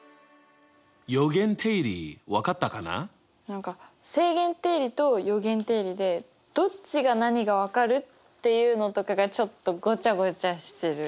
何か正弦定理と余弦定理でどっちが何が分かるっていうのとかがちょっとごちゃごちゃしてる。